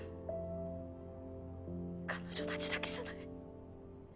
彼女たちだけじゃない。